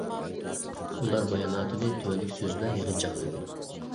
ئۇلار باياناتىنى تۆۋەندىكى سۆزى بىلەن يىغىنچاقلىدى .